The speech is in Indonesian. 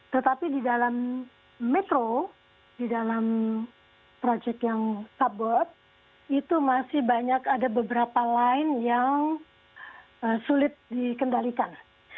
tetapi di dalam metro di dalam proyek yang kabut itu masih banyak ada beberapa lain yang sulit dikendalikan